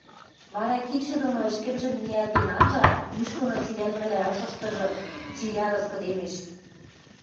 Вара кидшӹ доно ӹшкӹмжӹм ниӓлтен анжаат, ӱш доно севӓлмӹлӓ ышыштыжы цилӓ раскыдемеш...